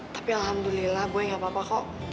tapi alhamdulillah boy gapapa kok